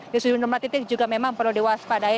jadi jumlah titik juga memang perlu diwaspadai